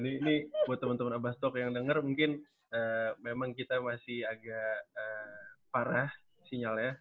ini buat teman teman abastok yang denger mungkin memang kita masih agak parah sinyalnya